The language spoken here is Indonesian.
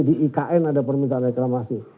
di ikn ada permintaan reklamasi